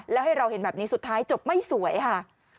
แล้วให้เราเห็นแบบนี้สุดท้ายจบไม่สวยค่ะ